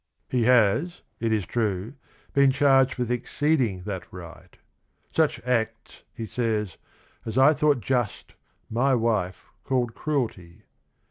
He has, it is true, been charged with exceeding that right. Such acts, he says " as I thought just, my wife called cruelty."